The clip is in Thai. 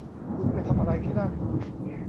คุณไปทำอะไรที่นั่น